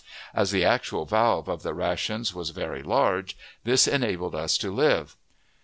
As the actual valve of the ration was very large, this enabled us to live.